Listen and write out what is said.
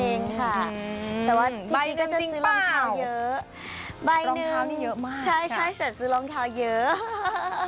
รองเท้าจะซื้อรองเท้าเยอะ